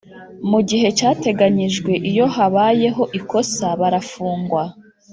mugihe cyateganyijwe iyo habayeho ikosa barafungwa